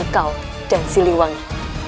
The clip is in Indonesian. kau dan siliwangi